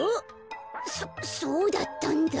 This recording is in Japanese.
そそうだったんだ。